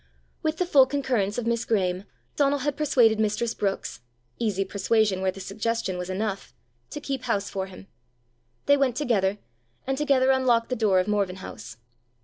With the full concurrence of Miss Graeme, Donal had persuaded mistress Brookes easy persuasion where the suggestion was enough! to keep house for him. They went together, and together unlocked the door of Morven House.